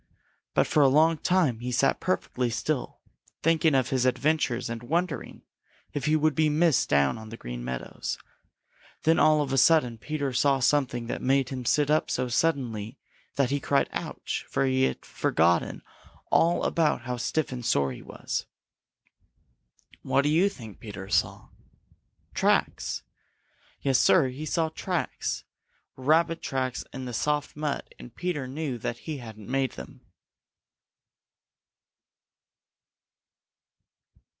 But for a long time he sat perfectly still, thinking of his adventures and wondering if he would be missed down on the Green Meadows. Then all of a sudden Peter saw something that made him sit up so suddenly that he cried "Ouch!" for he had forgotten all about how stiff and sore he was. What do you think Peter saw? Tracks! Yes, Sir, he saw tracks, Rabbit tracks in the soft mud, and Peter knew that he hadn't made them!